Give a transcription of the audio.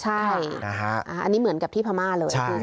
ใช่อันนี้เหมือนกับที่พม่าเลย